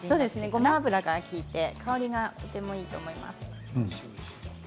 ごま油が利いて香りがとてもいいと思います。